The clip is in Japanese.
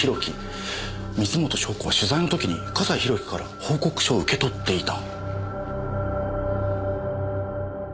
水元湘子は取材の時に笠井宏樹から報告書を受け取っていた。